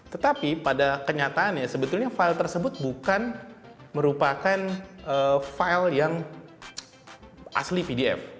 tetapi pada kenyataannya sebetulnya file tersebut bukan merupakan file yang asli pdf